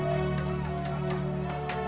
jangan siap sama dua ya lo